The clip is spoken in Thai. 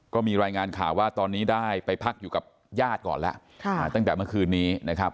ก็มีรายงานข่าวว่าตอนนี้ได้ไปพักอยู่กับญาติก่อนแล้วตั้งแต่เมื่อคืนนี้นะครับ